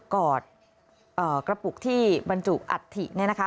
กอดกระปุกที่บรรจุอัฐิเนี่ยนะคะ